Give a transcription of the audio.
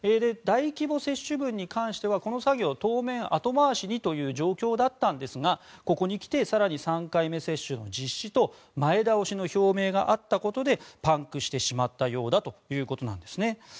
大規模接種分に関してはこの作業は当分、後回しにという状況だったんですがここに来て、更に３回目接種の実施と前倒しの表明があったことでパンクしてしまったようだということです。